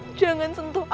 aku tidak bisa melupakanmu